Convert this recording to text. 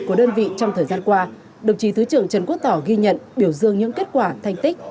của đơn vị trong thời gian qua đồng chí thứ trưởng trần quốc tỏ ghi nhận biểu dương những kết quả thành tích